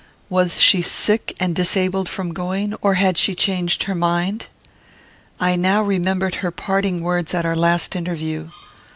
Was she sick and disabled from going, or had she changed her mind? I now remembered her parting words at our last interview.